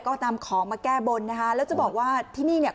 ก็นำของมาแก้บนนะคะแล้วจะบอกว่าที่นี่เนี่ย